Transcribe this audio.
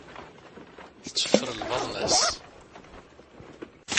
Tetteffer lbaḍna-s.